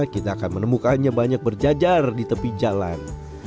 kita akan menemukannya banyak berjajar di tepi jalan